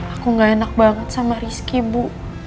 aku gak enak banget sama rizky bu